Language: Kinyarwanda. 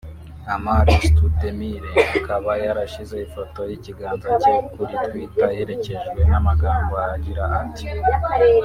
Amar’e Stoudemire akaba yarashyize ifoto y’ikiganza cye kuri twitter iherekejwe n’amagambo agira ati